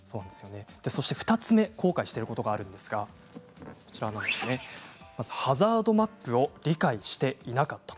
２つ目、後悔していることがあるんですがハザードマップを理解していなかった。